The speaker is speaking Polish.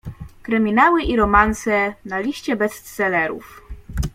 Kryminały i romanse na liście bestsellerów.